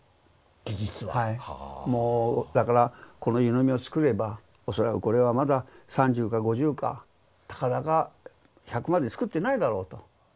もうだからこの湯飲みを作れば恐らくこれはまだ３０か５０かたかだか１００まで作ってないだろうと。